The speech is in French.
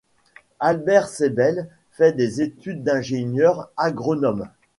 Albert Seibel fait des études d'ingénieur agronome.